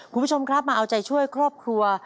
คุณผู้ชมครับมาเอาใจช่วยครอบครัว